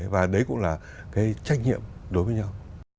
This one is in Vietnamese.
và đấy cũng là cái trách nhiệm đối với nhau